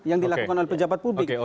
yang dilakukan oleh pejabat publik